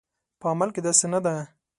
په عمل کې داسې نه ده